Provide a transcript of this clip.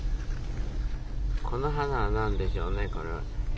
この花は何でしょうね、これは。